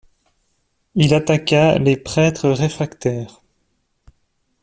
Il attaqua les prêtres réfractaires.